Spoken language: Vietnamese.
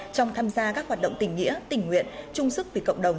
trong tham gia các hoạt động tình nghĩa tình nguyện chung sức vì cộng đồng